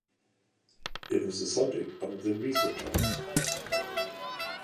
It was the subject of the research article.